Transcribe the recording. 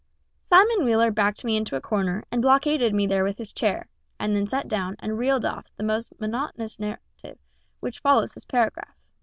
Simon Wheeler backed me into a corner and blockaded me there with his chair, and then sat down and reeled off the monotonous narrative which follows this paragraph.